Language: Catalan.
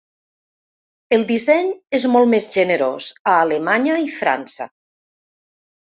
El disseny és molt més generós a Alemanya i França.